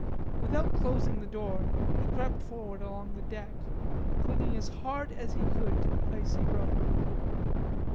Without closing the door he crept forward along the deck, clinging as hard as he could to the icy rope.